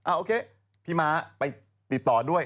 โอเคพรีมาโปรดการ